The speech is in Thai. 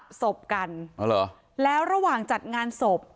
ศพกันอ๋อเหรอแล้วระหว่างจัดงานศพ